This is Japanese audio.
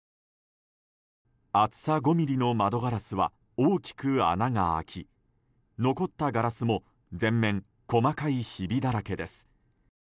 厚さ５ｍｍの窓ガラスは大きく穴が開き残ったガラスも全面、細かいヒビだらけです。